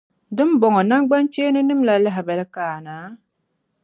Di ni bɔŋɔ, namgbankpeeni nim’ la lahibali ka a na?